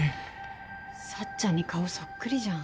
幸ちゃんに顔そっくりじゃん。